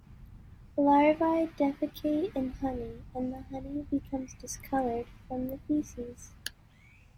Larvae defecate in honey and the honey becomes discolored from the feces.